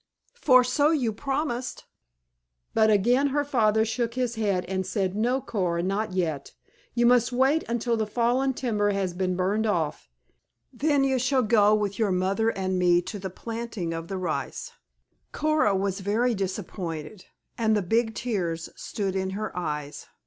For so you promised." But again her father shook his head and said, "No, Coora, not yet. You must wait until the fallen timber has been burned off. Then you shall go with your mother and me to the planting of the rice." Coora was very much disappointed, and the big tears stood in her eyes.